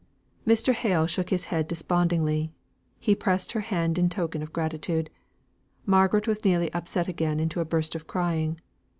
Mr. Hale shook his head despondingly: he pressed her hand in token of gratitude. Margaret was nearly upset again into a burst of crying.